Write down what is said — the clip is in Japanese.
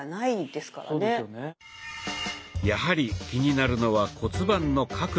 やはり気になるのは骨盤の角度。